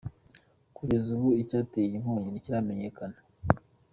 Kugeza ubu icyateye iyi nkongi ntikiramenyekana.